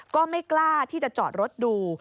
ก็ไม่กล้าที่จะจอดรถดู